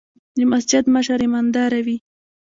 د مسجد مشر ايمانداره وي.